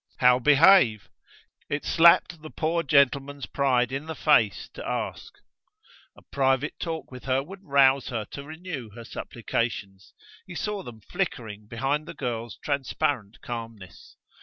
How behave? It slapped the poor gentleman's pride in the face to ask. A private talk with her would rouse her to renew her supplications. He saw them flickering behind the girl's transparent calmness.